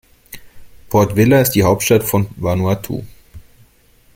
Port Vila ist die Hauptstadt von Vanuatu.